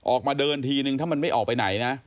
ออกมาเดินทีนึงถ้ามันไม่ออกไปไหนนะ